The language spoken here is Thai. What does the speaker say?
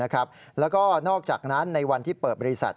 แล้วก็นอกจากนั้นในวันที่เปิดบริษัท